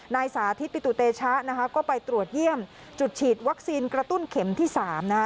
นายสาธิตปิตุเตชะนะคะก็ไปตรวจเยี่ยมจุดฉีดวัคซีนกระตุ้นเข็มที่๓นะคะ